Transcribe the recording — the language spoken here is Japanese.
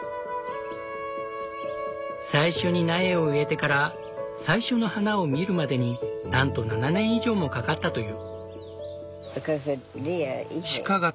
最初に苗を植えてから最初の花を見るまでになんと７年以上もかかったという。